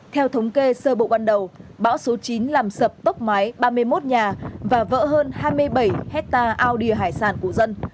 theo thống kê sơ bộ ban đầu bão số chín làm sập tốc mái ba mươi một nhà và vỡ hơn hai mươi bảy hectare ao đìa hải sản của dân